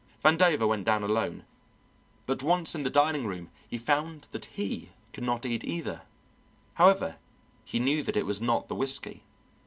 Vandover went down alone, but once in the dining room he found that he could not eat either. However, he knew that it was not the whisky.